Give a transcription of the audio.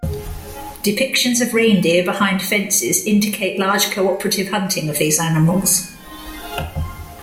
Depictions of reindeer behind fences indicate large cooperative hunting of these animals.